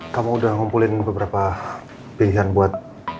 kamu udah ngumpulin beberapa pilihan buat